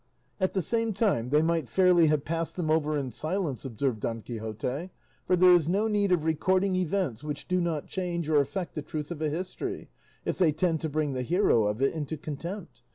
"At the same time they might fairly have passed them over in silence," observed Don Quixote; "for there is no need of recording events which do not change or affect the truth of a history, if they tend to bring the hero of it into contempt.